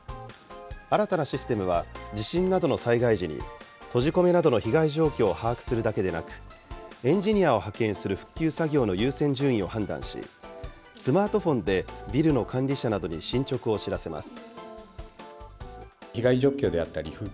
新たなシステムは、地震などの災害時に、閉じ込めなどの被害状況を把握するだけでなく、エンジニアを派遣する復旧作業の優先順位を判断し、スマートフォンでビルの管理者などに進捗を知らせます。